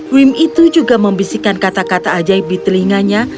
wim itu juga membisikkan kata kata ajaib di telinganya